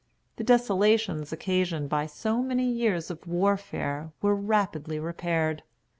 The desolations occasioned by so many years of warfare were rapidly repaired.